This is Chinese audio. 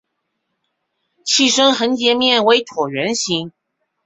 器身横截面为椭圆形。